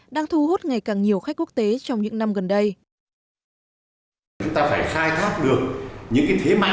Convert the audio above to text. đang thu hút ngành du lịch việt nam